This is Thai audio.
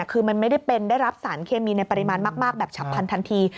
คือมันไม่ได้เป็นได้รับสารเคมีในปริมาณมากแบบฉับพันทันที